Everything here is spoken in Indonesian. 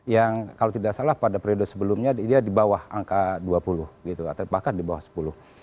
yang kalau tidak salah pada periode sebelumnya dia di bawah angka dua puluh gitu atau bahkan di bawah sepuluh